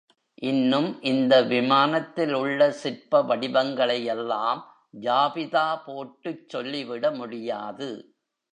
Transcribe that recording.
இன்னும் இந்த விமானத்தில் உள்ள சிற்ப வடிவங்களை யெல்லாம் ஜாபிதா போட்டுச் சொல்லி விட முடியாது.